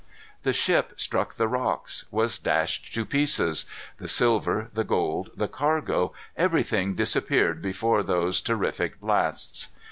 The ship struck the rocks was dashed to pieces; the silver, the gold, the cargo, everything disappeared before those terrific blasts.